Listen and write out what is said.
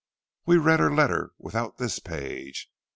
We read her letter without this page.